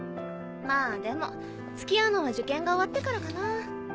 まぁでも付き合うのは受験が終わってからかな。